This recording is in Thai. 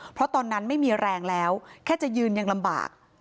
เพราะตอนนั้นไม่มีแรงแล้วแค่จะยืนยังลำบาก